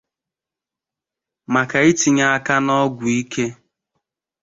maka itinye aka n'ọgwụ ike